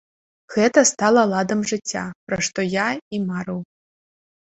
Гэта стала ладам жыцця, пра што я і марыў.